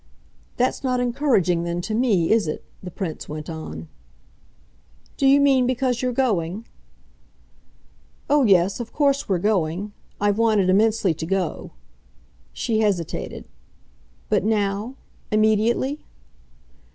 "That's not encouraging then to me, is it?" the Prince went on. "Do you mean because you're going?" "Oh yes, of course we're going. I've wanted immensely to go." She hesitated. "But now? immediately?"